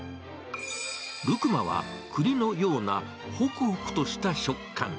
ルクマは、くりのようなほくほくとした食感。